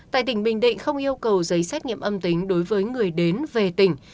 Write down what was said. tại tỉnh bình định không yêu cầu giấy xét nghiệm âm tính đối với người đến về tỉnh